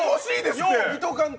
よう見とかんと。